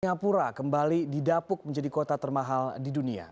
singapura kembali didapuk menjadi kota termahal di dunia